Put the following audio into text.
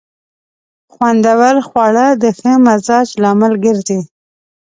خوندور خواړه د ښه مزاج لامل ګرځي.